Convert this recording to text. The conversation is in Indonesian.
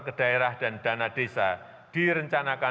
melalui sla hairsen yang selalu dikembangkan